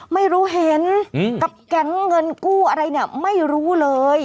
ไม่รู้เห็นกับแก๊งเงินกู้อะไรเนี่ยไม่รู้เลย